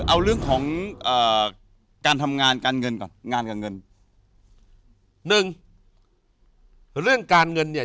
เอาเรื่องของเอ่อการทำงานการเงินก่อนงานการเงินหนึ่งเรื่องการเงินเนี่ย